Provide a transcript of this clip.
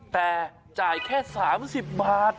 แต่จ่ายแค่๓๐บาท